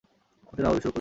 অতীন আবার শুরু করলে।